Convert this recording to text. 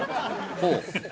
ほう。